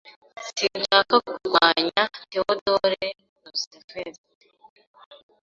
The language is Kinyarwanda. Sinshaka kurwanya Theodore Roosevelt.